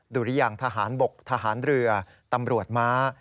หรือยังทหารบกทหารเรือตำรวจม้า